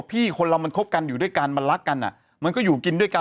คนเรามันคบกันอยู่ด้วยกันมันรักกันอ่ะมันก็อยู่กินด้วยกัน